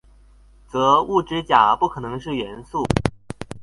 則物質甲不可能是元素